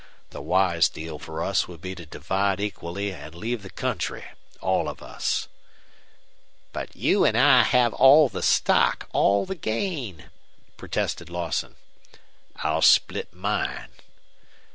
The wise deal for us would be to divide equally and leave the country, all of us." "But you and I have all the stock all the gain," protested Lawson. "I'll split mine."